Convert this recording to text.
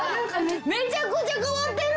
めちゃくちゃ変わってる！